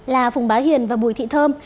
là phùng bá hiền và bùi thị thơm